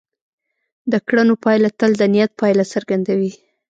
د کړنو پایله تل د نیت پایله څرګندوي.